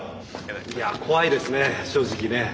いや怖いですね正直ね。